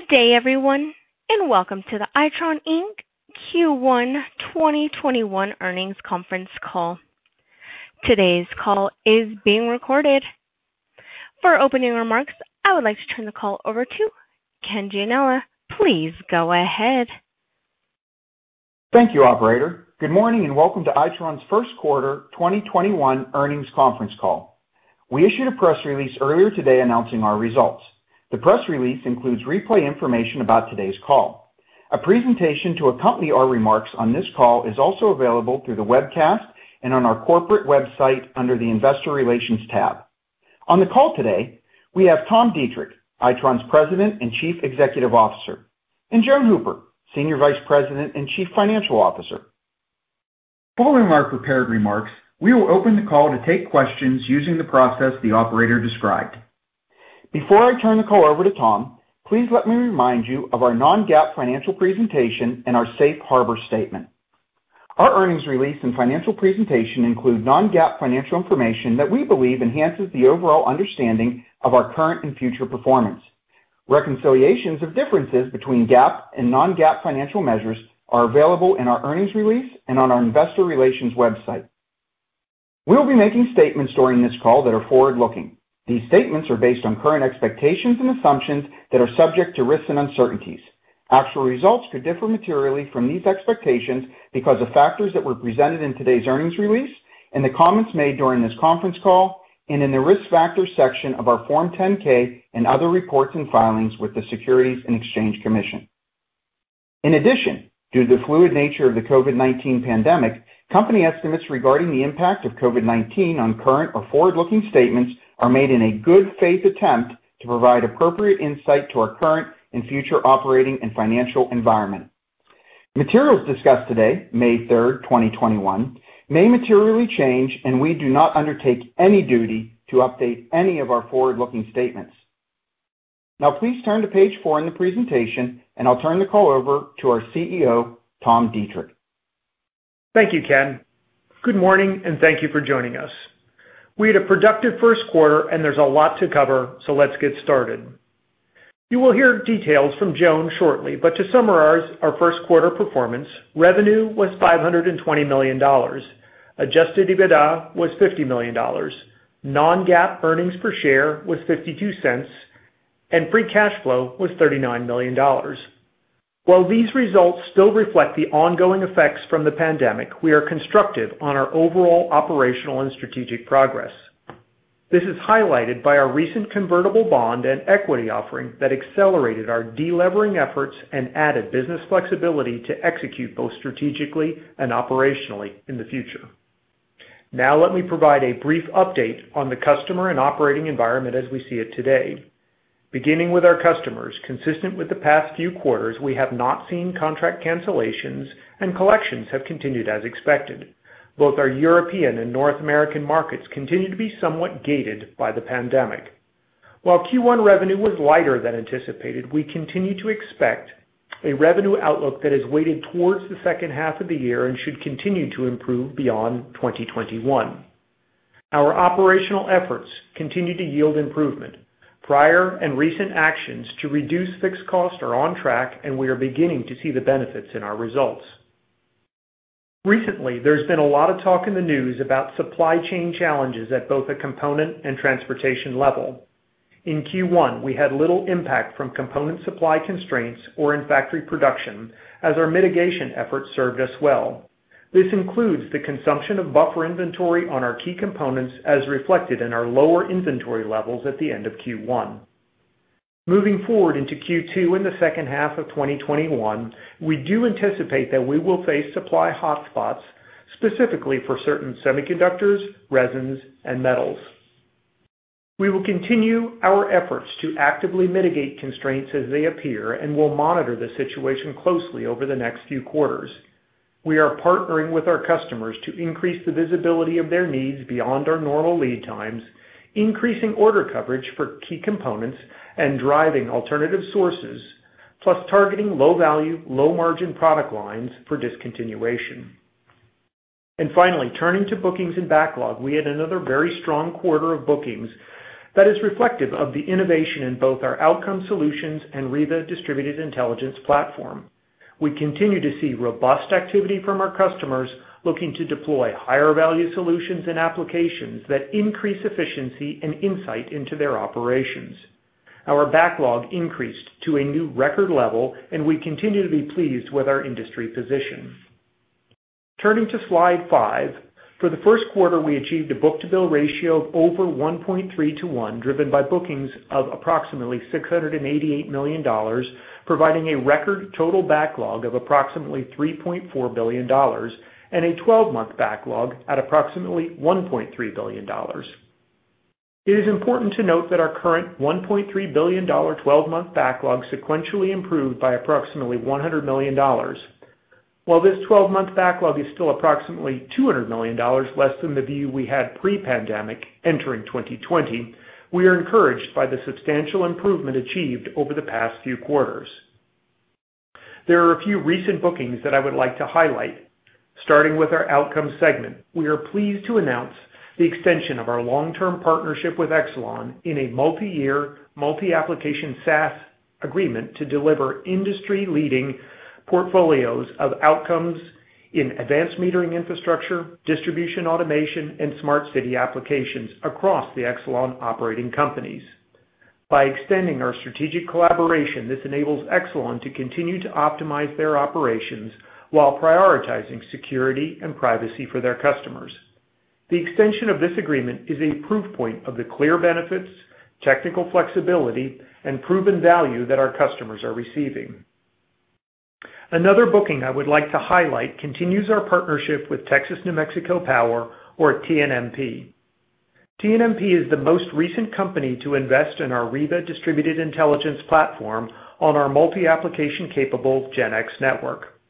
Good day, everyone, welcome to the Itron Inc. Q1 2021 earnings conference call. Today's call is being recorded. For opening remarks, I would like to turn the call over to Ken Gianella. Please go ahead. Thank you, operator. Good morning, and welcome to Itron's first quarter 2021 earnings conference call. We issued a press release earlier today announcing our results. The press release includes replay information about today's call. A presentation to accompany our remarks on this call is also available through the webcast and on our corporate website under the Investor Relations tab. On the call today, we have Tom Deitrich, Itron's President and Chief Executive Officer, and Joan Hooper, Senior Vice President and Chief Financial Officer. Following our prepared remarks, we will open the call to take questions using the process the operator described. Before I turn the call over to Tom, please let me remind you of our non-GAAP financial presentation and our safe harbor statement. Our earnings release and financial presentation include non-GAAP financial information that we believe enhances the overall understanding of our current and future performance. Reconciliations of differences between GAAP and non-GAAP financial measures are available in our earnings release and on our Investor Relations website. We'll be making statements during this call that are forward-looking. These statements are based on current expectations and assumptions that are subject to risks and uncertainties. Actual results could differ materially from these expectations because of factors that were presented in today's earnings release and the comments made during this conference call, and in the risk factor section of our Form 10-K and other reports and filings with the Securities and Exchange Commission. In addition, due to the fluid nature of the COVID-19 pandemic, company estimates regarding the impact of COVID-19 on current or forward-looking statements are made in a good faith attempt to provide appropriate insight to our current and future operating and financial environment. Materials discussed today, May 3rd, 2021, may materially change. We do not undertake any duty to update any of our forward-looking statements. Now please turn to page four in the presentation. I'll turn the call over to our CEO, Tom Deitrich. Thank you, Ken. Good morning, and thank you for joining us. We had a productive first quarter, and there's a lot to cover, so let's get started. You will hear details from Joan shortly, but to summarize our first quarter performance, revenue was $520 million. Adjusted EBITDA was $50 million. non-GAAP earnings per share was $0.52, and free cash flow was $39 million. While these results still reflect the ongoing effects from the pandemic, we are constructive on our overall operational and strategic progress. This is highlighted by our recent convertible bond and equity offering that accelerated our delevering efforts and added business flexibility to execute both strategically and operationally in the future. Let me provide a brief update on the customer and operating environment as we see it today. Beginning with our customers, consistent with the past few quarters, we have not seen contract cancellations, and collections have continued as expected. Both our European and North American markets continue to be somewhat gated by the pandemic. While Q1 revenue was lighter than anticipated, we continue to expect a revenue outlook that is weighted towards the second half of the year and should continue to improve beyond 2021. Our operational efforts continue to yield improvement. Prior and recent actions to reduce fixed cost are on track, and we are beginning to see the benefits in our results. Recently, there's been a lot of talk in the news about supply chain challenges at both a component and transportation level. In Q1, we had little impact from component supply constraints or in factory production as our mitigation efforts served us well. This includes the consumption of buffer inventory on our key components as reflected in our lower inventory levels at the end of Q1. Moving forward into Q2 in the second half of 2021, we do anticipate that we will face supply hotspots, specifically for certain semiconductors, resins, and metals. We will continue our efforts to actively mitigate constraints as they appear and will monitor the situation closely over the next few quarters. We are partnering with our customers to increase the visibility of their needs beyond our normal lead times, increasing order coverage for key components, and driving alternative sources, plus targeting low-value, low-margin product lines for discontinuation. Finally, turning to bookings and backlog, we had another very strong quarter of bookings that is reflective of the innovation in both our outcome solutions and Riva distributed intelligence platform. We continue to see robust activity from our customers looking to deploy higher-value solutions and applications that increase efficiency and insight into their operations. Our backlog increased to a new record level, and we continue to be pleased with our industry position. Turning to slide five. For the first quarter, we achieved a book-to-bill ratio of over 1.3:1, driven by bookings of approximately $688 million, providing a record total backlog of approximately $3.4 billion and a 12-month backlog at approximately $1.3 billion. It is important to note that our current $1.3 billion 12-month backlog sequentially improved by approximately $100 million. While this 12-month backlog is still approximately $200 million less than the view we had pre-pandemic entering 2020, we are encouraged by the substantial improvement achieved over the past few quarters. There are a few recent bookings that I would like to highlight. Starting with our outcome segment, we are pleased to announce the extension of our long-term partnership with Exelon in a multi-year, multi-application SaaS agreement to deliver industry-leading portfolios of outcomes in advanced metering infrastructure, distribution automation, and smart city applications across the Exelon operating companies. By extending our strategic collaboration, this enables Exelon to continue to optimize their operations while prioritizing security and privacy for their customers. The extension of this agreement is a proof point of the clear benefits, technical flexibility, and proven value that our customers are receiving. Another booking I would like to highlight continues our partnership with Texas-New Mexico Power, or TNMP. TNMP is the most recent company to invest in our Riva distributed intelligence platform on our multi-application capable GenX network.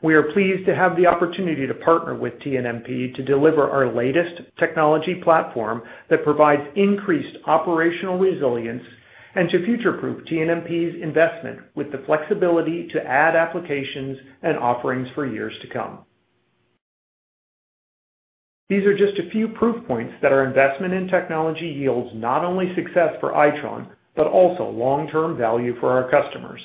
We are pleased to have the opportunity to partner with TNMP to deliver our latest technology platform that provides increased operational resilience and to future-proof TNMP's investment with the flexibility to add applications and offerings for years to come. These are just a few proof points that our investment in technology yields not only success for Itron, but also long-term value for our customers.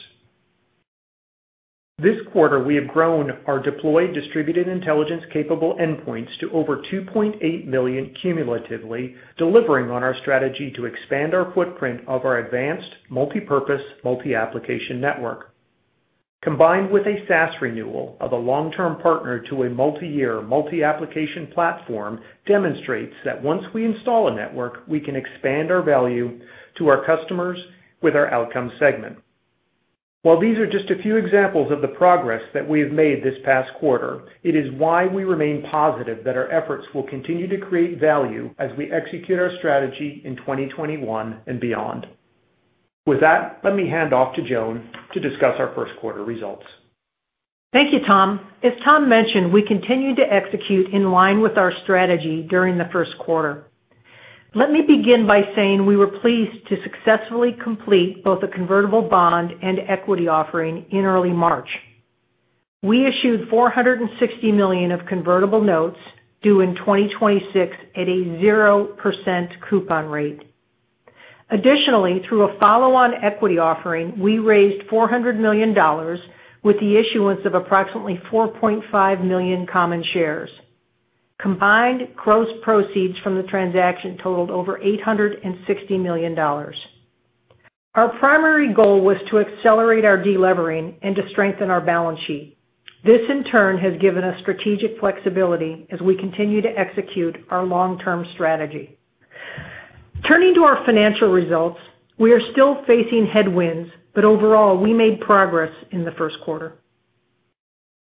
This quarter, we have grown our deployed distributed intelligence-capable endpoints to over 2.8 million cumulatively, delivering on our strategy to expand our footprint of our advanced multipurpose multi-application network. Combined with a SaaS renewal of a long-term partner to a multi-year, multi-application platform demonstrates that once we install a network, we can expand our value to our customers with our outcome segment. While these are just a few examples of the progress that we have made this past quarter, it is why we remain positive that our efforts will continue to create value as we execute our strategy in 2021 and beyond. With that, let me hand off to Joan to discuss our first quarter results. Thank you, Tom. As Tom mentioned, we continued to execute in line with our strategy during the first quarter. Let me begin by saying we were pleased to successfully complete both a convertible bond and equity offering in early March. We issued $460 million of convertible notes due in 2026 at a 0% coupon rate. Additionally, through a follow-on equity offering, we raised $400 million with the issuance of approximately 4.5 million common shares. Combined gross proceeds from the transaction totaled over $860 million. Our primary goal was to accelerate our de-levering and to strengthen our balance sheet. This, in turn, has given us strategic flexibility as we continue to execute our long-term strategy. Turning to our financial results, we are still facing headwinds, but overall, we made progress in the first quarter.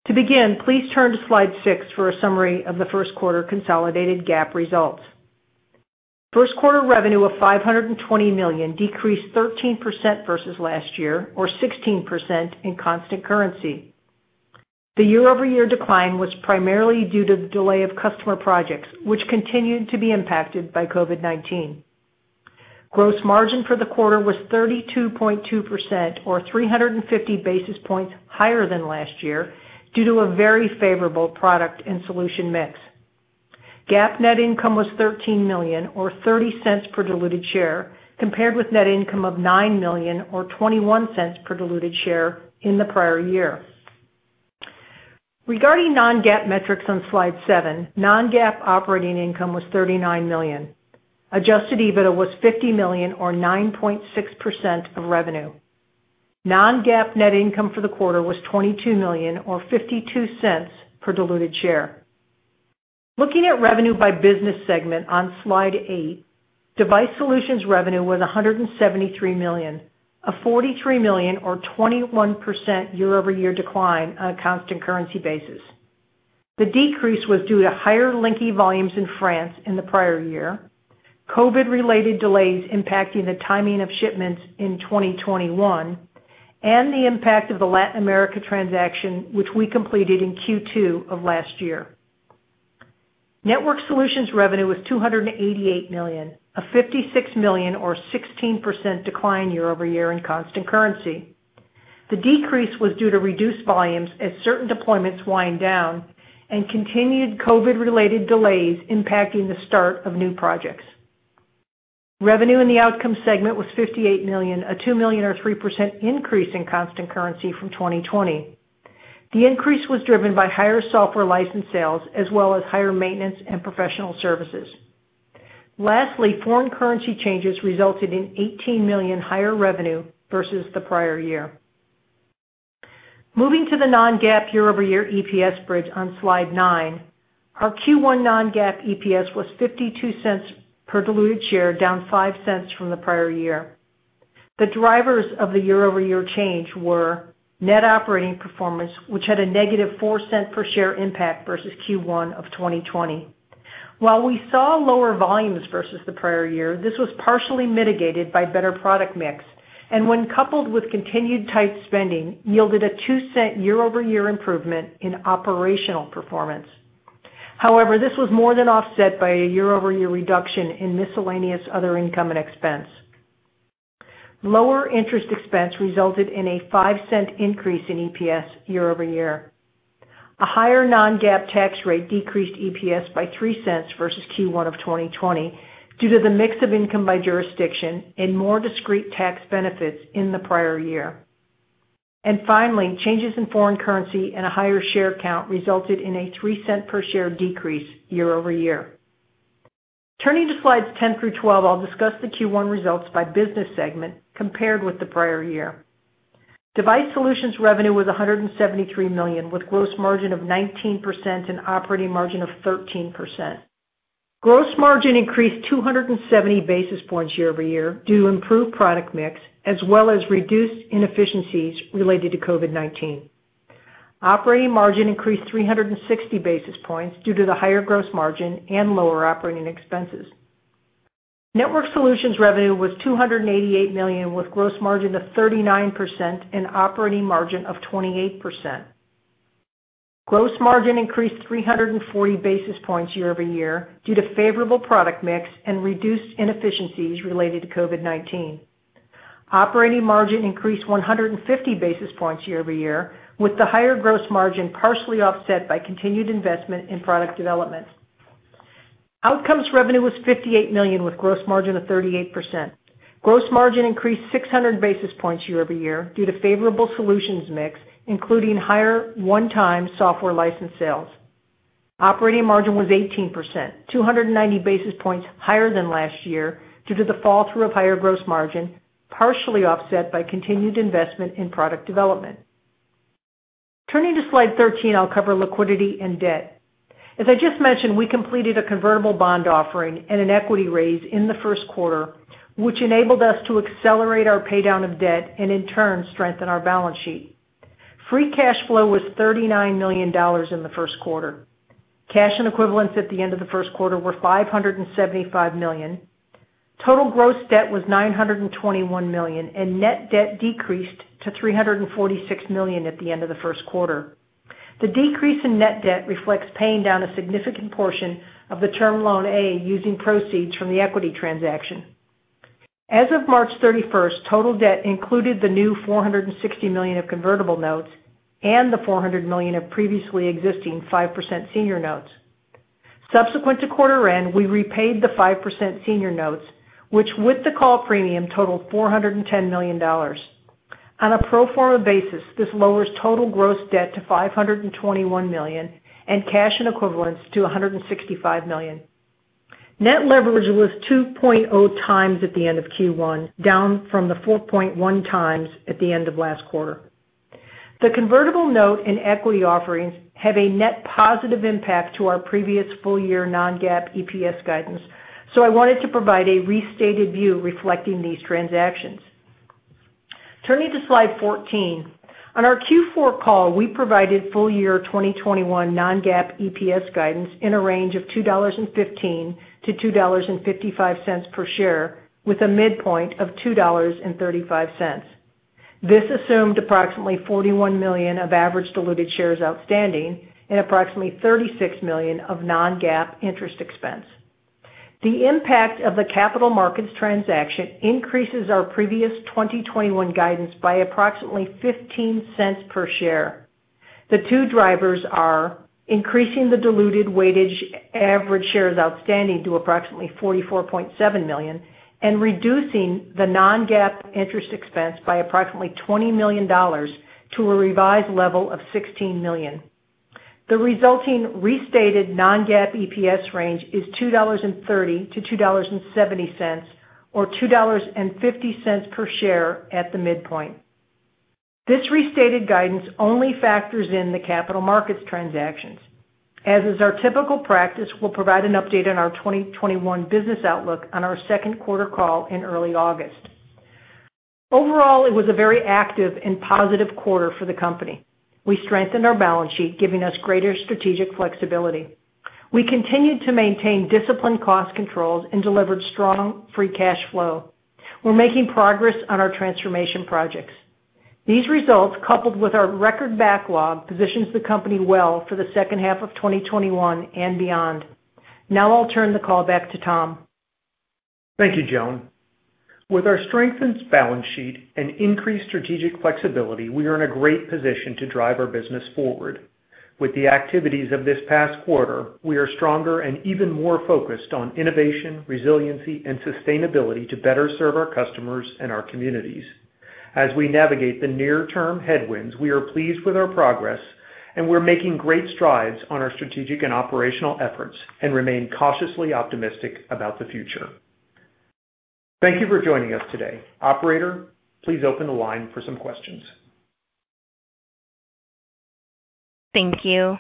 To begin, please turn to slide six for a summary of the first quarter consolidated GAAP results. First quarter revenue of $520 million decreased 13% versus last year, or 16% in constant currency. The year-over-year decline was primarily due to the delay of customer projects, which continued to be impacted by COVID-19. Gross margin for the quarter was 32.2% or 350 basis points higher than last year due to a very favorable product and solution mix. GAAP net income was $13 million or $0.30 per diluted share, compared with net income of $9 million or $0.21 per diluted share in the prior year. Regarding non-GAAP metrics on slide seven, non-GAAP operating income was $39 million. Adjusted EBITDA was $50 million or 9.6% of revenue. Non-GAAP net income for the quarter was $22 million or $0.52 per diluted share. Looking at revenue by business segment on slide eight, Device Solutions revenue was $173 million, a $43 million or 21% year-over-year decline on a constant currency basis. The decrease was due to higher Linky volumes in France in the prior year, COVID-related delays impacting the timing of shipments in 2021, and the impact of the Latin America transaction, which we completed in Q2 of last year. Networked Solutions revenue was $288 million, a $56 million or 16% decline year-over-year in constant currency. The decrease was due to reduced volumes as certain deployments wind down and continued COVID-related delays impacting the start of new projects. Revenue in the outcome segment was $58 million, a $2 million or 3% increase in constant currency from 2020. The increase was driven by higher software license sales as well as higher maintenance and professional services. Lastly, foreign currency changes resulted in $18 million higher revenue versus the prior year. Moving to the non-GAAP year-over-year EPS bridge on slide nine, our Q1 non-GAAP EPS was $0.52 per diluted share, down $0.05 from the prior year. The drivers of the year-over-year change were net operating performance, which had a -$0.04 per share impact versus Q1 of 2020. While we saw lower volumes versus the prior year, this was partially mitigated by better product mix, and when coupled with continued tight spending, yielded a $0.02 year-over-year improvement in operational performance. This was more than offset by a year-over-year reduction in miscellaneous other income and expense. Lower interest expense resulted in a $0.05 increase in EPS year-over-year. A higher non-GAAP tax rate decreased EPS by $0.03 versus Q1 of 2020 due to the mix of income by jurisdiction and more discrete tax benefits in the prior year. Finally, changes in foreign currency and a higher share count resulted in a $0.03 per share decrease year-over-year. Turning to slides 10 through 12, I'll discuss the Q1 results by business segment compared with the prior year. Device Solutions revenue was $173 million, with gross margin of 19% and operating margin of 13%. Gross margin increased 270 basis points year-over-year due to improved product mix, as well as reduced inefficiencies related to COVID-19. Operating margin increased 360 basis points due to the higher gross margin and lower operating expenses. Networked Solutions revenue was $288 million, with gross margin of 39% and operating margin of 28%. Gross margin increased 340 basis points year-over-year due to favorable product mix and reduced inefficiencies related to COVID-19. Operating margin increased 150 basis points year-over-year, with the higher gross margin partially offset by continued investment in product development. Outcomes revenue was $58 million with gross margin of 38%. Gross margin increased 600 basis points year-over-year due to favorable solutions mix, including higher one-time software license sales. Operating margin was 18%, 290 basis points higher than last year due to the fall through of higher gross margin, partially offset by continued investment in product development. Turning to slide 13, I'll cover liquidity and debt. As I just mentioned, we completed a convertible bond offering and an equity raise in the first quarter, which enabled us to accelerate our pay-down of debt and in turn strengthen our balance sheet. Free cash flow was $39 million in the first quarter. Cash and equivalents at the end of the first quarter were $575 million. Total gross debt was $921 million, and net debt decreased to $346 million at the end of the first quarter. The decrease in net debt reflects paying down a significant portion of the term loan A using proceeds from the equity transaction. As of March 31st, total debt included the new $460 million of convertible notes and the $400 million of previously existing 5% senior notes. Subsequent to quarter end, we repaid the 5% senior notes, which with the call premium, totaled $410 million. On a pro forma basis, this lowers total gross debt to $521 million and cash and equivalents to $165 million. Net leverage was 2.0x at the end of Q1, down from the 4.1x at the end of last quarter. The convertible note and equity offerings have a net positive impact to our previous full year non-GAAP EPS guidance, so I wanted to provide a restated view reflecting these transactions. Turning to slide 14, on our Q4 call, we provided full year 2021 non-GAAP EPS guidance in a range of $2.15-$2.55 per share, with a midpoint of $2.35. This assumed approximately 41 million of average diluted shares outstanding and approximately 36 million of non-GAAP interest expense. The impact of the capital markets transaction increases our previous 2021 guidance by approximately $0.15 per share. The two drivers are increasing the diluted weighted average shares outstanding to approximately 44.7 million and reducing the non-GAAP interest expense by approximately $20 million to a revised level of $16 million. The resulting restated non-GAAP EPS range is $2.30-$2.70 or $2.50 per share at the midpoint. This restated guidance only factors in the capital markets transactions. As is our typical practice, we'll provide an update on our 2021 business outlook on our second quarter call in early August. Overall, it was a very active and positive quarter for the company. We strengthened our balance sheet, giving us greater strategic flexibility. We continued to maintain disciplined cost controls and delivered strong free cash flow. We're making progress on our transformation projects. These results, coupled with our record backlog, positions the company well for the second half of 2021 and beyond. Now I'll turn the call back to Tom. Thank you, Joan. With our strengthened balance sheet and increased strategic flexibility, we are in a great position to drive our business forward. With the activities of this past quarter, we are stronger and even more focused on innovation, resiliency, and sustainability to better serve our customers and our communities. As we navigate the near-term headwinds, we are pleased with our progress, and we're making great strides on our strategic and operational efforts and remain cautiously optimistic about the future. Thank you for joining us today. Operator, please open the line for some questions. Thank you.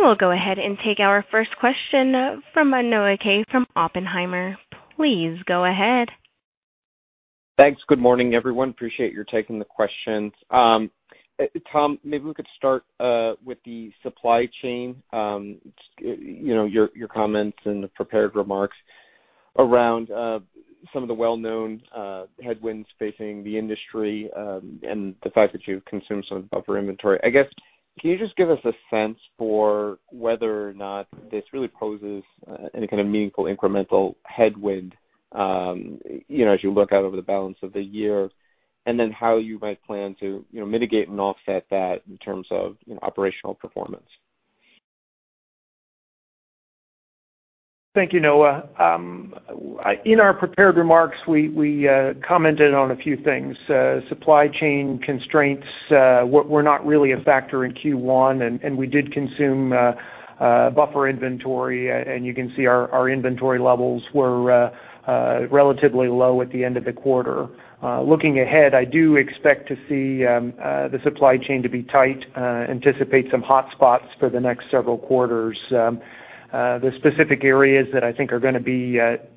We'll go ahead and take our first question from Noah Kaye from Oppenheimer. Please go ahead. Thanks. Good morning, everyone. Appreciate your taking the questions. Tom, maybe we could start with the supply chain, your comments and prepared remarks around some of the well-known headwinds facing the industry, and the fact that you've consumed some buffer inventory. I guess, can you just give us a sense for whether or not this really poses any kind of meaningful incremental headwind as you look out over the balance of the year, and then how you might plan to mitigate and offset that in terms of operational performance? Thank you, Noah. In our prepared remarks, we commented on a few things. Supply chain constraints were not really a factor in Q1, and we did consume buffer inventory, and you can see our inventory levels were relatively low at the end of the quarter. Looking ahead, I do expect to see the supply chain to be tight, anticipate some hot spots for the next several quarters. The specific areas that I think are going to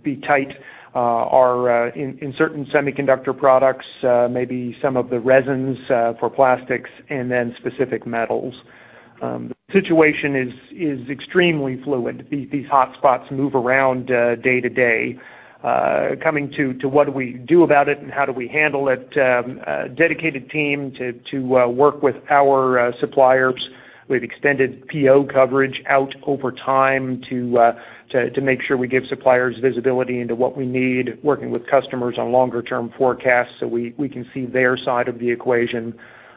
be tight are in certain semiconductor products, maybe some of the resins for plastics, and then specific metals. The situation is extremely fluid. These hot spots move around day to day. Coming to what do we do about it and how do we handle it, a dedicated team to work with our suppliers. We've extended PO coverage out over time to make sure we give suppliers visibility into what we need, working with customers on longer term forecasts so we can see their side of the equation.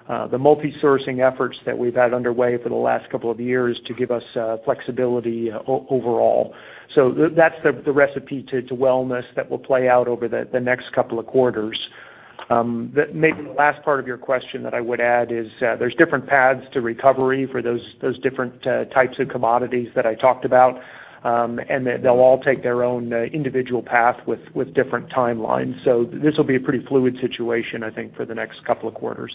The multi-sourcing efforts that we've had underway for the last couple of years to give us flexibility overall. That's the recipe to wellness that will play out over the next couple of quarters. Maybe the last part of your question that I would add is, there's different paths to recovery for those different types of commodities that I talked about, and that they'll all take their own individual path with different timelines. This will be a pretty fluid situation, I think, for the next couple of quarters.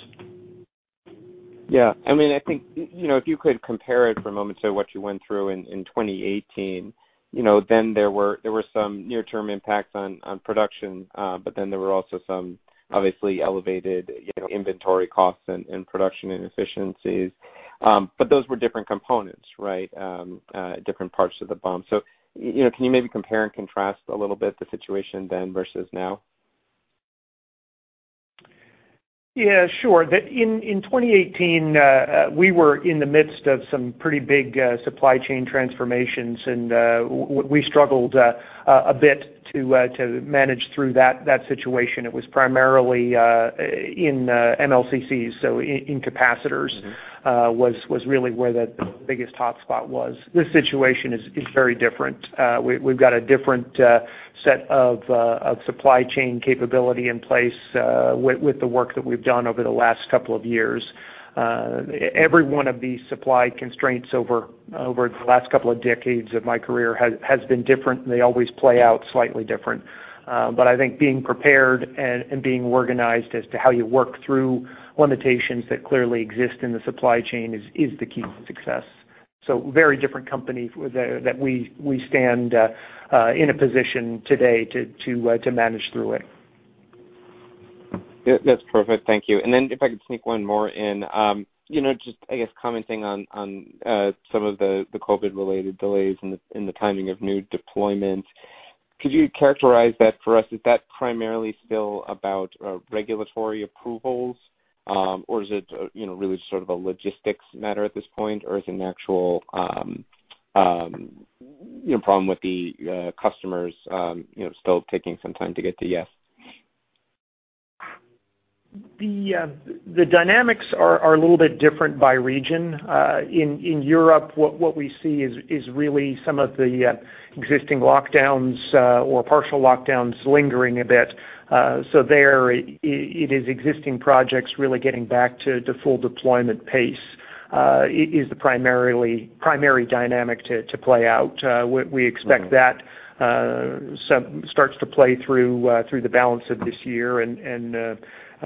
I think, if you could compare it for a moment to what you went through in 2018, there were some near-term impacts on production. There were also some obviously elevated inventory costs and production inefficiencies. Those were different components, different parts of the bump. Can you maybe compare and contrast a little bit the situation then versus now? Yeah, sure. In 2018, we were in the midst of some pretty big supply chain transformations, and we struggled a bit to manage through that situation. It was primarily in MLCCs, so in capacitors was really where the biggest hot spot was. This situation is very different. We've got a different set of supply chain capability in place with the work that we've done over the last couple of years. Every one of these supply constraints over the last couple of decades of my career has been different. They always play out slightly different. I think being prepared and being organized as to how you work through limitations that clearly exist in the supply chain is the key to success. Very different company that we stand in a position today to manage through it. That's perfect. Thank you. Then if I could sneak one more in, just I guess commenting on some of the COVID-related delays in the timing of new deployments. Could you characterize that for us? Is that primarily still about regulatory approvals, or is it really just sort of a logistics matter at this point, or is it an actual problem with the customers still taking some time to get to yes? The dynamics are a little bit different by region. In Europe, what we see is really some of the existing lockdowns or partial lockdowns lingering a bit. There, it is existing projects really getting back to full deployment pace is the primary dynamic to play out. We expect that starts to play through the balance of this year, and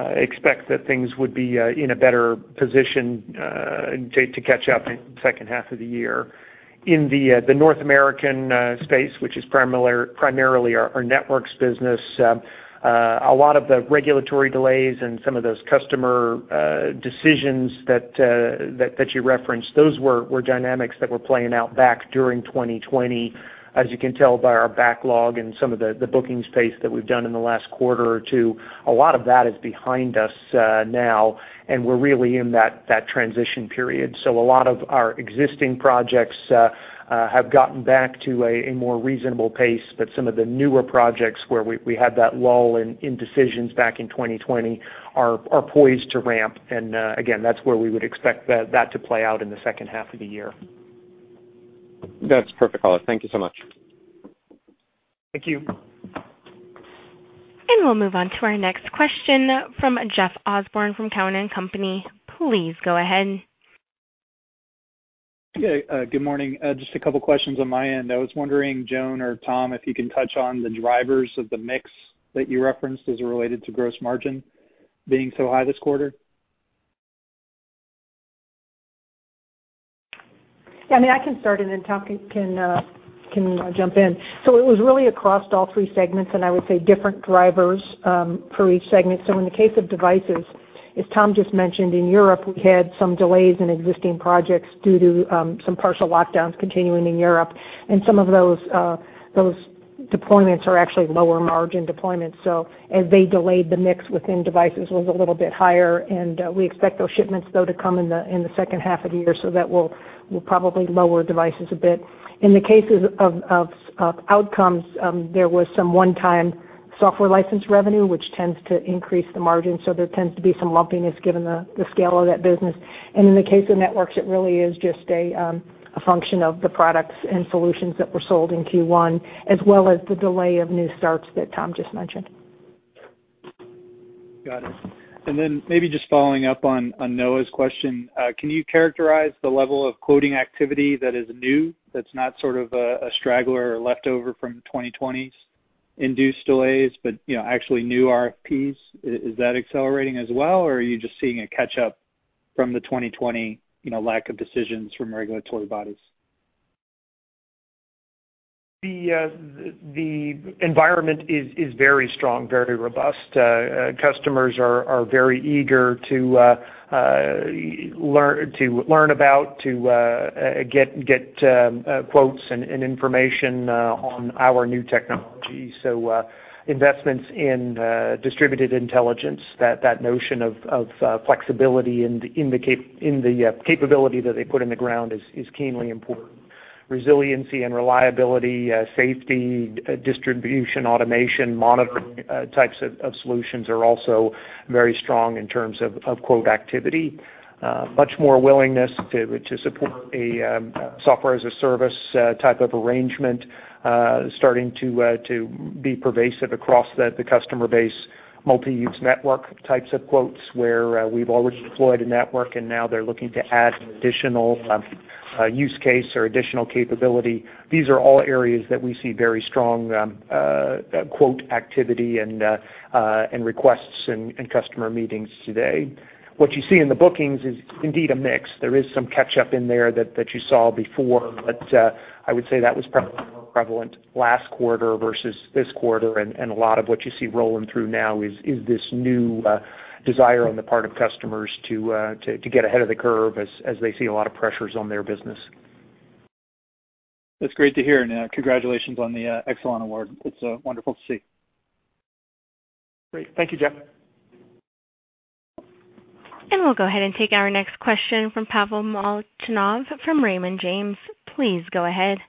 expect that things would be in a better position to catch up in the second half of the year. In the North American space, which is primarily our networks business, a lot of the regulatory delays and some of those customer decisions that you referenced, those were dynamics that were playing out back during 2020. As you can tell by our backlog and some of the bookings that we've done in the last quarter or two, a lot of that is behind us now. We're really in that transition period. A lot of our existing projects have gotten back to a more reasonable pace. Some of the newer projects where we had that lull in decisions back in 2020 are poised to ramp. Again, that's where we would expect that to play out in the second half of the year. That's perfect. Thank you so much. Thank you. We'll move on to our next question from Jeff Osborne from Cowen and Company. Please go ahead. Good morning. Just a couple questions on my end. I was wondering, Joan or Tom, if you can touch on the drivers of the mix that you referenced as it related to gross margin being so high this quarter. Yeah, I can start and then Tom can jump in. It was really across all three segments and I would say different drivers for each segment. In the case of devices, as Tom just mentioned, in Europe, we had some delays in existing projects due to some partial lockdowns continuing in Europe, and some of those deployments are actually lower margin deployments. As they delayed the mix within devices, it was a little bit higher, and we expect those shipments though to come in the second half of the year. That will probably lower devices a bit. In the cases of outcomes, there was some one-time software license revenue, which tends to increase the margin. There tends to be some lumpiness given the scale of that business. In the case of Networks, it really is just a function of the products and solutions that were sold in Q1, as well as the delay of new starts that Tom just mentioned. Got it. Maybe just following up on Noah's question, can you characterize the level of quoting activity that is new, that's not sort of a straggler or leftover from 2020's induced delays, but actually new RFPs? Is that accelerating as well, or are you just seeing a catch-up from the 2020 lack of decisions from regulatory bodies? The environment is very strong, very robust. Customers are very eager to learn about, to get quotes and information on our new technology. Investments in distributed intelligence, that notion of flexibility in the capability that they put in the ground is keenly important. Resiliency and reliability, safety, distribution, automation, monitoring types of solutions are also very strong in terms of quote activity. Much more willingness to support a software as a service type of arrangement, starting to be pervasive across the customer base. Multi-use network types of quotes, where we've already deployed a network and now they're looking to add an additional use case or additional capability. These are all areas that we see very strong quote activity and requests and customer meetings today. What you see in the bookings is indeed a mix. There is some catch-up in there that you saw before, but I would say that was probably more prevalent last quarter versus this quarter, and a lot of what you see rolling through now is this new desire on the part of customers to get ahead of the curve as they see a lot of pressures on their business. That's great to hear, and congratulations on the excellent award. It's wonderful to see. Great. Thank you, Jeff. We'll go ahead and take our next question from Pavel Molchanov from Raymond James. Please go ahead.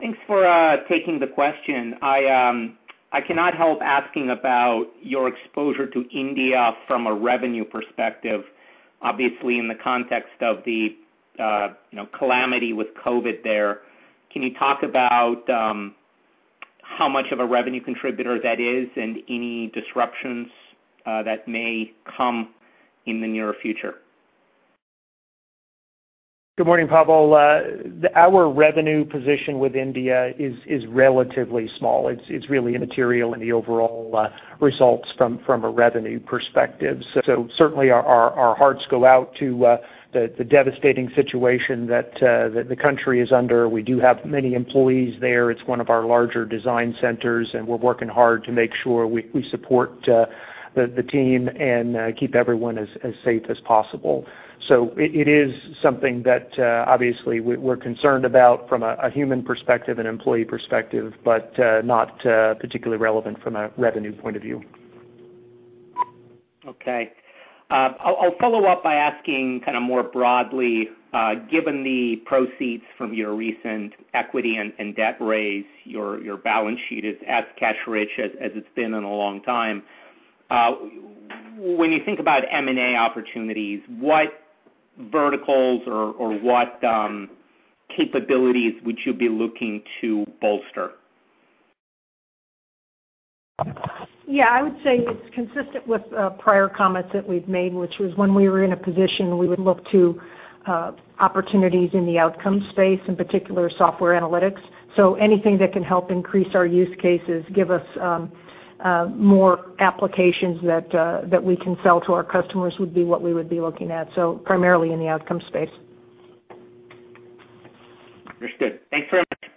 Thanks for taking the question. I cannot help asking about your exposure to India from a revenue perspective, obviously in the context of the calamity with COVID there. Can you talk about how much of a revenue contributor that is and any disruptions that may come in the near future? Good morning, Pavel. Our revenue position with India is relatively small. It's really immaterial in the overall results from a revenue perspective. Certainly our hearts go out to the devastating situation that the country is under. We do have many employees there. It's one of our larger design centers, and we're working hard to make sure we support the team and keep everyone as safe as possible. It is something that obviously we're concerned about from a human perspective and employee perspective, but not particularly relevant from a revenue point of view. Okay. I'll follow up by asking more broadly, given the proceeds from your recent equity and debt raise, your balance sheet is as cash-rich as it's been in a long time. When you think about M&A opportunities, what verticals or what capabilities would you be looking to bolster? Yeah, I would say it's consistent with prior comments that we've made, which was when we were in a position, we would look to opportunities in the outcome space, in particular software analytics. Anything that can help increase our use cases, give us more applications that we can sell to our customers would be what we would be looking at. Primarily in the outcome space. Understood. Thanks very much.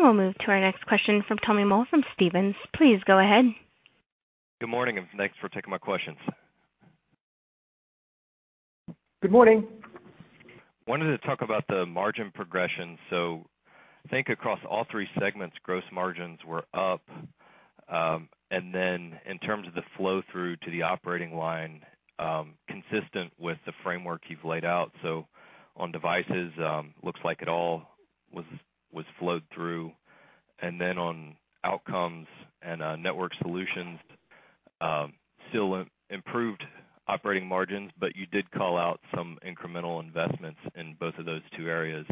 We'll move to our next question from Tommy Moll from Stephens. Please go ahead. Good morning, and thanks for taking my questions. Good morning. Wanted to talk about the margin progression. I think across all three segments, gross margins were up, and then in terms of the flow through to the operating line, consistent with the framework you've laid out. On Device Solutions, looks like it all was flowed through. On Outcomes and Networked Solutions, still improved operating margins, but you did call out some incremental investments in both of those two areas.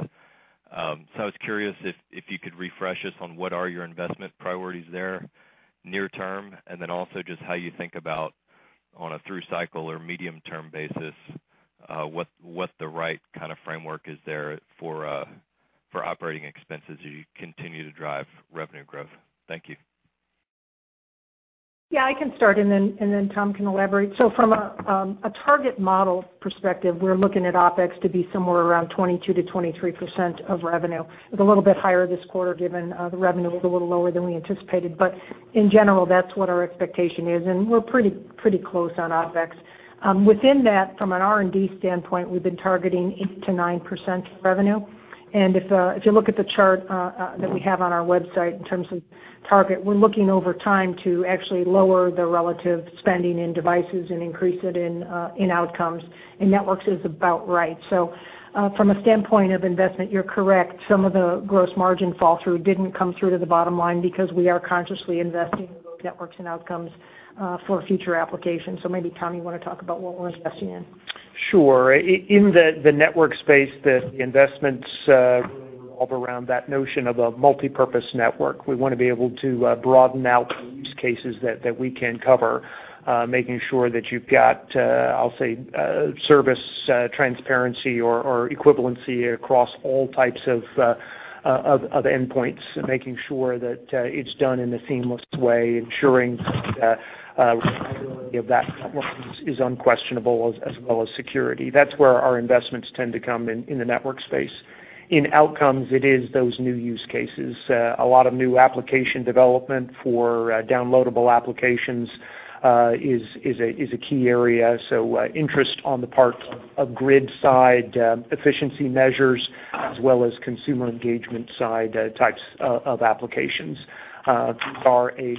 I was curious if you could refresh us on what are your investment priorities there near term, and then also just how you think about on a through cycle or medium-term basis, what the right kind of framework is there for operating expenses as you continue to drive revenue growth. Thank you. Yeah, I can start and then Tom can elaborate. From a target model perspective, we're looking at OpEx to be somewhere around 22%-23% of revenue. It's a little bit higher this quarter given the revenue was a little lower than we anticipated. In general, that's what our expectation is, and we're pretty close on OpEx. Within that, from an R&D standpoint, we've been targeting 8%-9% revenue. If you look at the chart that we have on our website in terms of target, we're looking over time to actually lower the relative spending in Devices and increase it in outcomes. In Networks it's about right. From a standpoint of investment, you're correct. Some of the gross margin fall through didn't come through to the bottom line because we are consciously investing in both Networks and outcomes for future applications. Maybe Tom, you want to talk about what we're investing in? Sure. In the network space, the investments really revolve around that notion of a multipurpose network. We want to be able to broaden out the use cases that we can cover, making sure that you've got, I'll say, service transparency or equivalency across all types of endpoints, making sure that it's done in a seamless way, ensuring that the reliability of that network is unquestionable as well as security. That's where our investments tend to come in the network space. In outcomes, it is those new use cases. A lot of new application development for downloadable applications is a key area. Interest on the part of grid side efficiency measures as well as consumer engagement side types of applications are a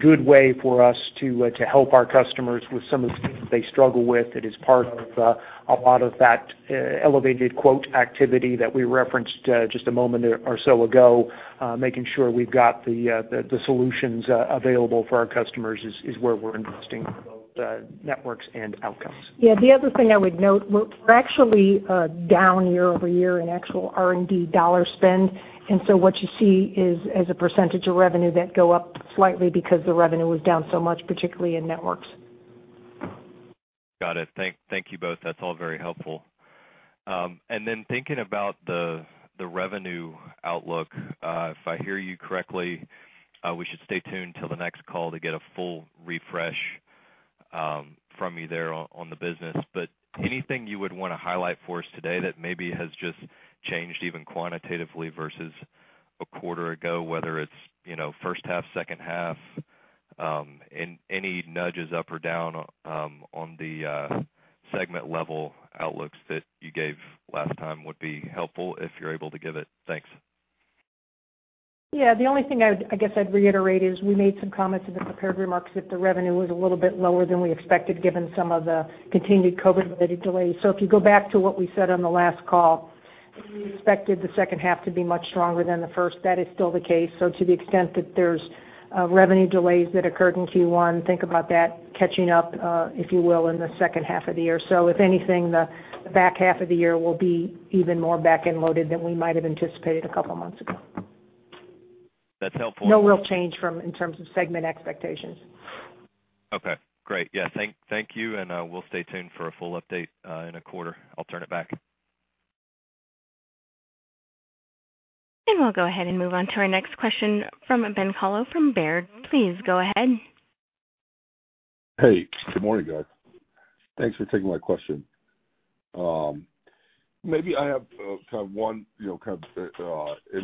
good way for us to help our customers with some of the things they struggle with. It is part of a lot of that elevated quote activity that we referenced just a moment or so ago. Making sure we've got the solutions available for our customers is where we're investing in both networks and outcomes. Yeah. The other thing I would note, we're actually down year-over-year in actual R&D dollar spend. What you see is, as a percentage of revenue, that go up slightly because the revenue was down so much, particularly in networks. Got it. Thank you both. That's all very helpful. Thinking about the revenue outlook, if I hear you correctly, we should stay tuned till the next call to get a full refresh from you there on the business. Anything you would want to highlight for us today that maybe has just changed even quantitatively versus a quarter ago, whether it's first half, second half, any nudges up or down on the segment level outlooks that you gave last time would be helpful if you're able to give it. Thanks. Yeah. The only thing I guess I'd reiterate is we made some comments in the prepared remarks that the revenue was a little bit lower than we expected given some of the continued COVID-related delays. If you go back to what we said on the last call, we expected the second half to be much stronger than the first. That is still the case. To the extent that there's revenue delays that occurred in Q1, think about that catching up, if you will, in the second half of the year. If anything, the back half of the year will be even more back-end loaded than we might have anticipated a couple of months ago. That's helpful. No real change in terms of segment expectations. Okay, great. Thank you, we'll stay tuned for a full update in a quarter. I'll turn it back. We'll go ahead and move on to our next question from Ben Kallo from Baird. Please go ahead. Hey, good morning, guys. Thanks for taking my question. Maybe I have kind of one in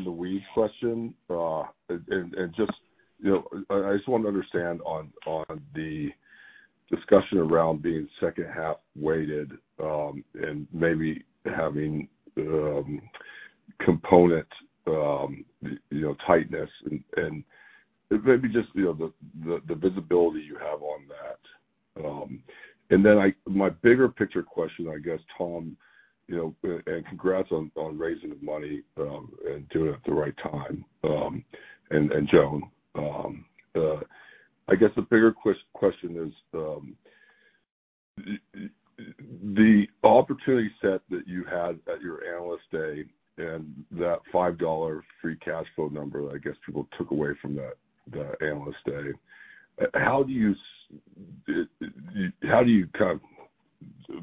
the weeds question, and I just want to understand on the discussion around being second half weighted and maybe having component tightness and maybe just the visibility you have on that. My bigger picture question, I guess, Tom, and congrats on raising the money and doing it at the right time, and Joan, I guess the bigger question is the opportunity set that you had at your Analyst Day and that $5 free cash flow number that I guess people took away from the Analyst Day, how do you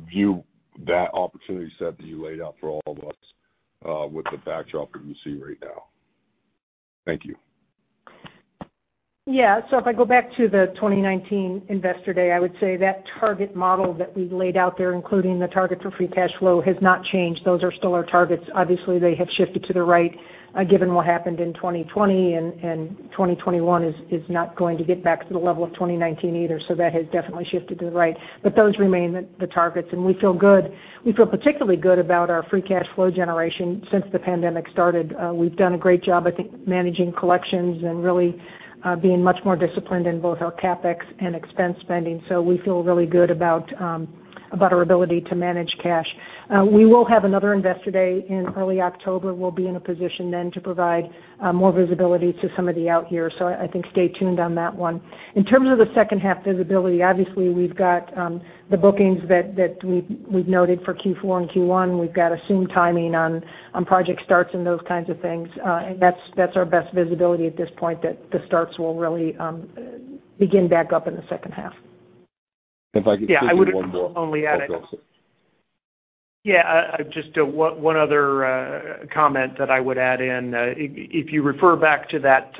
view that opportunity set that you laid out for all of us with the backdrop that you see right now? Thank you. Yeah. If I go back to the 2019 Investor Day, I would say that target model that we laid out there, including the target for free cash flow, has not changed. Those are still our targets. Obviously, they have shifted to the right given what happened in 2020, and 2021 is not going to get back to the level of 2019 either. That has definitely shifted to the right. Those remain the targets, and we feel good. We feel particularly good about our free cash flow generation since the pandemic started. We've done a great job, I think, managing collections and really being much more disciplined in both our CapEx and expense spending. We feel really good about our ability to manage cash. We will have another Investor Day in early October. We'll be in a position then to provide more visibility to some of the out years. I think stay tuned on that one. In terms of the second half visibility, obviously we've got the bookings that we've noted for Q4 and Q1. We've got assumed timing on project starts and those kinds of things. That's our best visibility at this point that the starts will really begin back up in the second half. If I could squeeze in one more. Yeah, I would only add. Oh, go ahead. Yeah, just one other comment that I would add in. If you refer back to that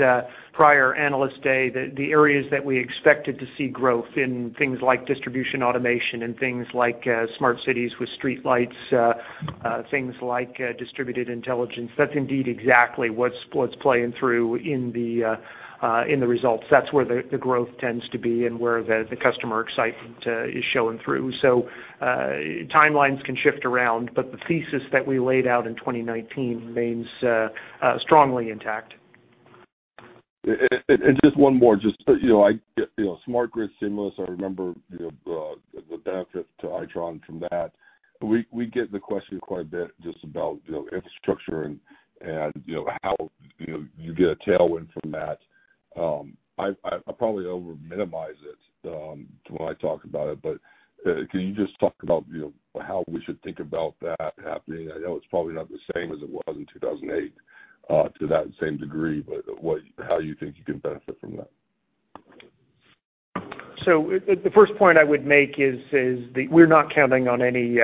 prior Analyst Day, the areas that we expected to see growth in things like distribution automation and things like smart cities with streetlights, things like distributed intelligence, that's indeed exactly what's playing through in the results. That's where the growth tends to be and where the customer excitement is showing through. Timelines can shift around, but the thesis that we laid out in 2019 remains strongly intact. Just one more. Smart grid stimulus, I remember the benefit to Itron from that. We get the question quite a bit just about infrastructure and how you get a tailwind from that. I probably over-minimize it when I talk about it, but can you just talk about how we should think about that happening? I know it's probably not the same as it was in 2008 to that same degree, but how you think you can benefit from that. The first point I would make is that we're not counting on any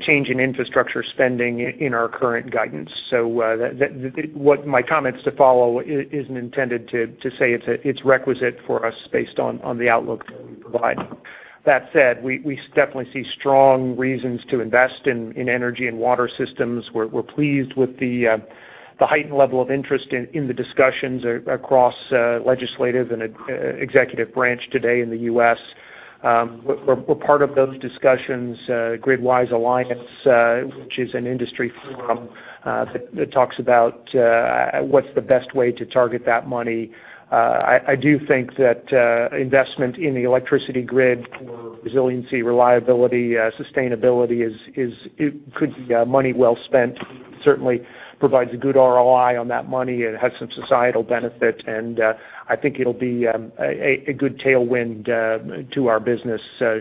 change in infrastructure spending in our current guidance. My comments to follow isn't intended to say it's requisite for us based on the outlook that we provide. That said, we definitely see strong reasons to invest in energy and water systems. We're pleased with the heightened level of interest in the discussions across legislative and executive branch today in the U.S. We're part of those discussions, GridWise Alliance, which is an industry forum that talks about what's the best way to target that money. I do think that investment in the electricity grid for resiliency, reliability, sustainability could be money well spent. Certainly provides a good ROI on that money and has some societal benefit, and I think it'll be a good tailwind to our business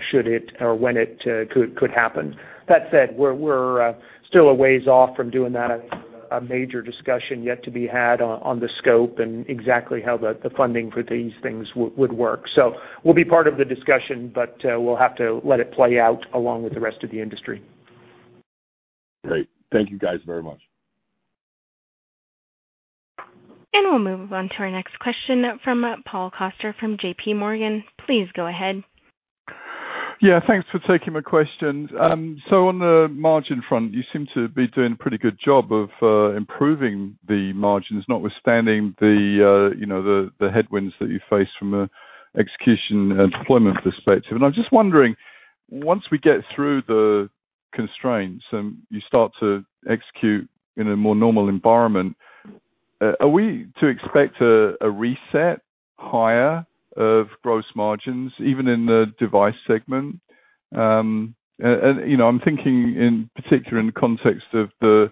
should it or when it could happen. That said, we're still a ways off from doing that. I think a major discussion yet to be had on the scope and exactly how the funding for these things would work. We'll be part of the discussion, but we'll have to let it play out along with the rest of the industry. Great. Thank you guys very much. We'll move on to our next question from Paul Coster from JPMorgan. Please go ahead. Yeah, thanks for taking my questions. On the margin front, you seem to be doing a pretty good job of improving the margins, notwithstanding the headwinds that you face from an execution and deployment perspective. I'm just wondering, once we get through the constraints and you start to execute in a more normal environment, are we to expect a reset higher of gross margins, even in the device segment? I'm thinking in particular in the context of the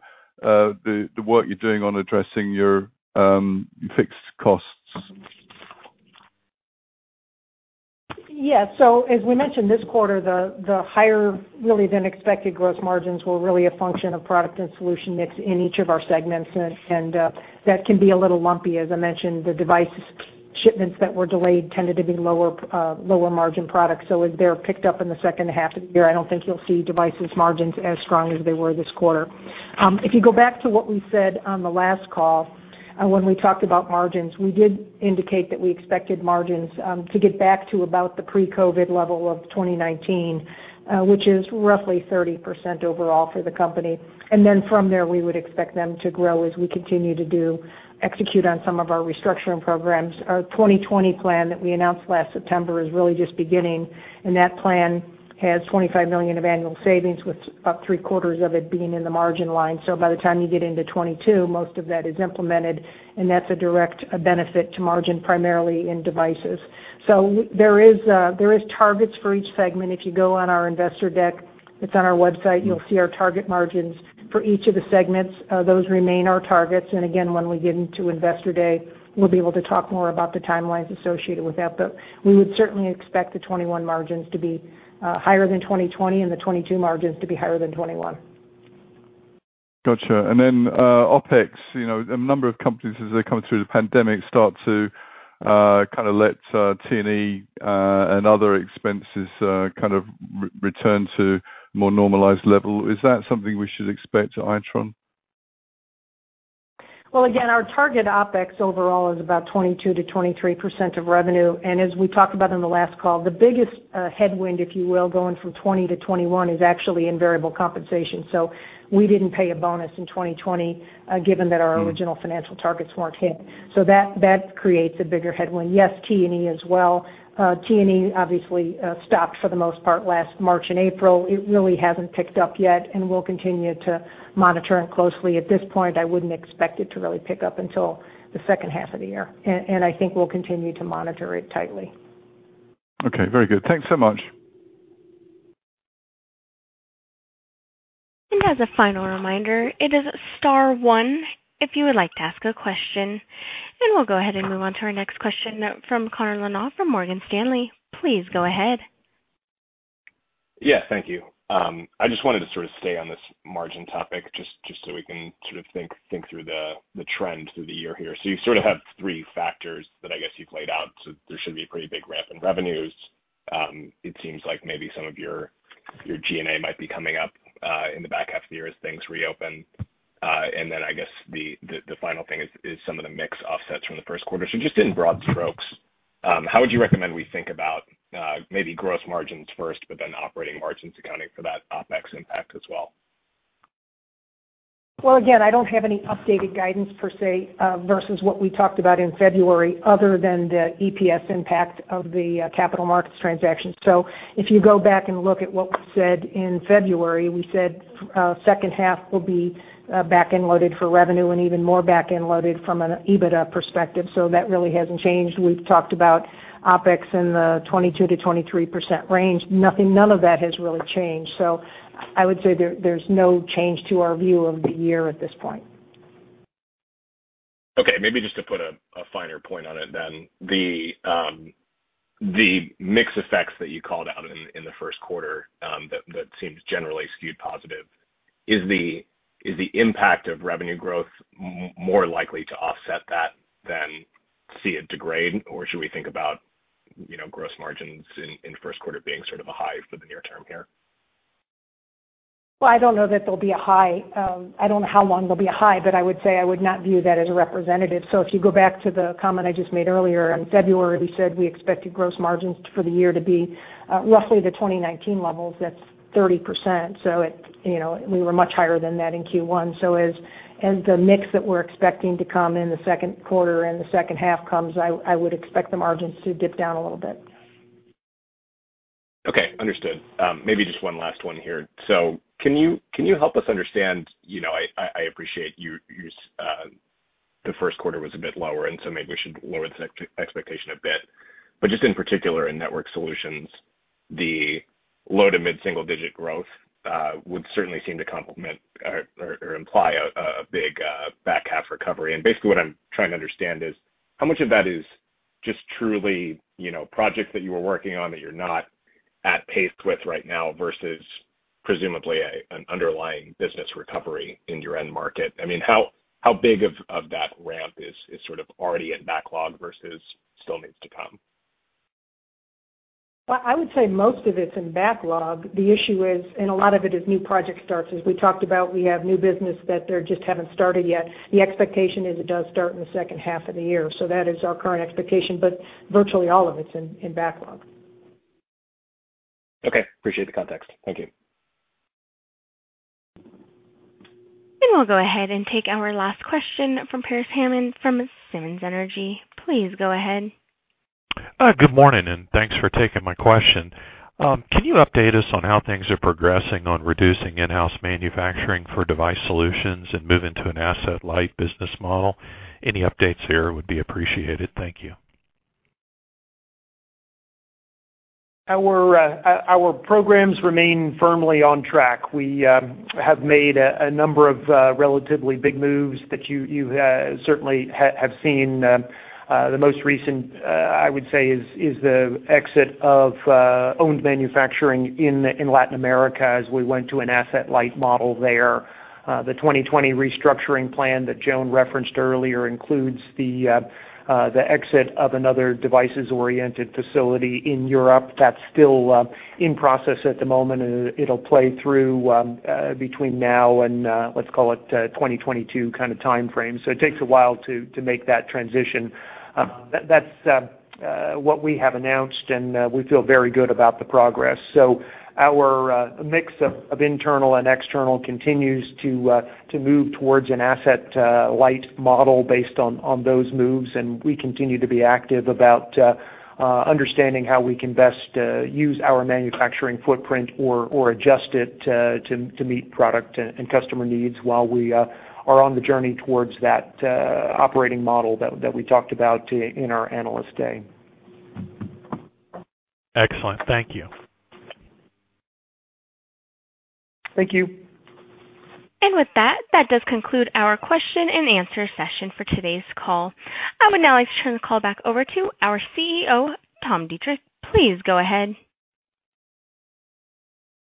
work you're doing on addressing your fixed costs. As we mentioned this quarter, the higher really than expected gross margins were really a function of product and solution mix in each of our segments, and that can be a little lumpy. As I mentioned, the device shipments that were delayed tended to be lower margin products. As they're picked up in the second half of the year, I don't think you'll see Device margins as strong as they were this quarter. If you go back to what we said on the last call, when we talked about margins, we did indicate that we expected margins to get back to about the pre-COVID-19 level of 2019, which is roughly 30% overall for the company. Then from there, we would expect them to grow as we continue to execute on some of our restructuring programs. Our 2020 plan that we announced last September is really just beginning. That plan has $25 million of annual savings, with about three quarters of it being in the margin line. By the time you get into 2022, most of that is implemented, and that's a direct benefit to margin, primarily in devices. There is targets for each segment. If you go on our investor deck, it's on our website, you'll see our target margins for each of the segments. Those remain our targets. Again, when we get into Investor Day, we'll be able to talk more about the timelines associated with that. We would certainly expect the 2021 margins to be higher than 2020 and the 2022 margins to be higher than 2021. Got you. OpEx, a number of companies, as they come through the pandemic, start to kind of let T&E and other expenses kind of return to more normalized level. Is that something we should expect at Itron? Again, our target OpEx overall is about 22%-23% of revenue. As we talked about in the last call, the biggest headwind, if you will, going from 2020 to 2021, is actually in variable compensation. We didn't pay a bonus in 2020, given that our original financial targets weren't hit. That creates a bigger headwind. Yes, T&E as well. T&E obviously stopped for the most part last March and April. It really hasn't picked up yet, and we'll continue to monitor it closely. At this point, I wouldn't expect it to really pick up until the second half of the year, and I think we'll continue to monitor it tightly. Okay, very good. Thanks so much. As a final reminder, it is star one if you would like to ask a question. We'll go ahead and move on to our next question from Connor Lynagh from Morgan Stanley. Please go ahead. Yeah. Thank you. I just wanted to sort of stay on this margin topic just so we can sort of think through the trend through the year here. You sort of have three factors that I guess you've laid out. There should be a pretty big ramp in revenues. It seems like maybe some of your G&A might be coming up, in the back half of the year as things reopen. Then I guess the final thing is some of the mix offsets from the first quarter. Just in broad strokes, how would you recommend we think about maybe gross margins first, but then operating margins accounting for that OpEx impact as well? Well, again, I don't have any updated guidance per se, versus what we talked about in February other than the EPS impact of the capital markets transaction. If you go back and look at what was said in February, we said second half will be back-end loaded for revenue and even more back-end loaded from an EBITDA perspective. That really hasn't changed. We've talked about OpEx in the 22%-23% range. None of that has really changed. I would say there's no change to our view of the year at this point. Okay. Maybe just to put a finer point on it then. The mix effects that you called out in the first quarter, that seems generally skewed positive. Is the impact of revenue growth more likely to offset that than see it degrade, or should we think about gross margins in first quarter being sort of a high for the near-term here? I don't know that they'll be a high. I don't know how long they'll be a high, but I would say I would not view that as representative. If you go back to the comment I just made earlier in February, we said we expected gross margins for the year to be roughly the 2019 levels. That's 30%. We were much higher than that in Q1. As the mix that we're expecting to come in the second quarter and the second half comes, I would expect the margins to dip down a little bit. Okay. Understood. Maybe just one last one here. Can you help us understand, I appreciate the first quarter was a bit lower, and so maybe we should lower the expectation a bit, but just in particular in Networked Solutions, the low to mid-single digit growth, would certainly seem to complement or imply a big back half recovery. Basically what I'm trying to understand is how much of that is just truly projects that you were working on that you're not at pace with right now versus presumably an underlying business recovery in your end market? I mean, how big of that ramp is sort of already in backlog versus still needs to come? Well, I would say most of it's in backlog. The issue is, a lot of it is new project starts. As we talked about, we have new business that they just haven't started yet. The expectation is it does start in the second half of the year. That is our current expectation, but virtually all of it's in backlog. Okay. Appreciate the context. Thank you. We'll go ahead and take our last question from Pearce Hammond from Simmons Energy. Please go ahead. Good morning. Thanks for taking my question. Can you update us on how things are progressing on reducing in-house manufacturing for Device Solutions and move into an asset-light business model? Any updates here would be appreciated. Thank you. Our programs remain firmly on track. We have made a number of relatively big moves that you certainly have seen. The most recent, I would say is the exit of owned manufacturing in Latin America as we went to an asset-light model there. The 2020 restructuring plan that Joan referenced earlier includes the exit of another devices-oriented facility in Europe. That's still in process at the moment, and it'll play through between now and, let's call it 2022 kind of timeframe. It takes a while to make that transition. That's what we have announced, and we feel very good about the progress. Our mix of internal and external continues to move towards an asset-light model based on those moves, and we continue to be active about understanding how we can best use our manufacturing footprint or adjust it to meet product and customer needs while we are on the journey towards that operating model that we talked about in our Analyst Day. Excellent. Thank you. Thank you. With that does conclude our question and answer session for today's call. I would now like to turn the call back over to our CEO, Tom Deitrich. Please go ahead.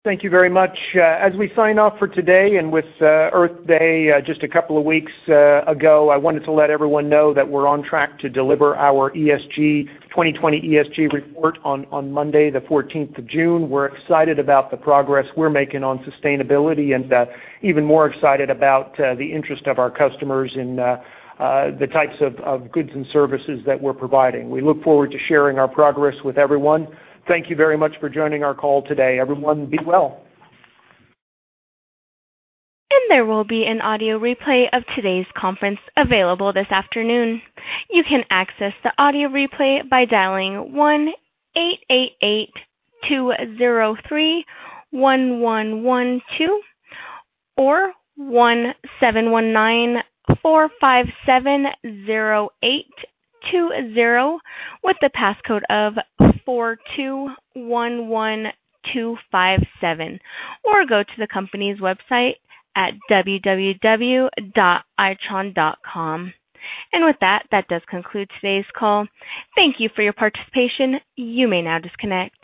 Thank you very much. As we sign off for today and with Earth Day just a couple of weeks ago, I wanted to let everyone know that we're on track to deliver our 2020 ESG report on Monday the 14th of June. We're excited about the progress we're making on sustainability and even more excited about the interest of our customers in the types of goods and services that we're providing. We look forward to sharing our progress with everyone. Thank you very much for joining our call today. Everyone be well. There will be an audio replay of today's conference available this afternoon. You can access the audio replay by dialing 1-888-203-1112 or 1-719-457-0820 with the passcode of 4211257, or go to the company's website at www.itron.com. With that does conclude today's call. Thank you for your participation. You may now disconnect.